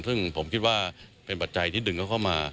ซึ่งผมคิดว่าเป็นปัจจัยที่ดึงเขาเข้ามา